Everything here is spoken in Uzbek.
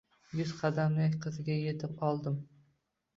Yuz qadamda qizga etib oldim